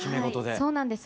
そうなんです。